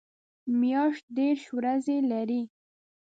میاشت دېرش ورځې لري